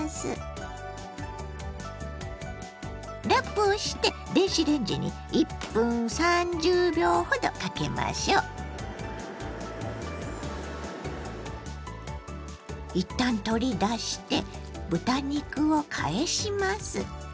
ラップをして一旦取り出して豚肉を返します。